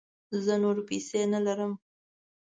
زه نوری پیسې نه لرم